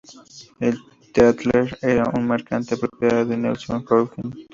El "Tatler" era un mercante propiedad de Nelson Hartwig.